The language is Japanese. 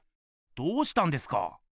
どうしたんですか？